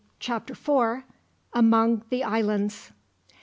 Chapter 4: Among The Islands.